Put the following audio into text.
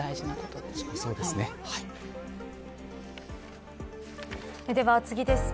では次です。